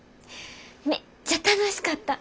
めっちゃ楽しかった。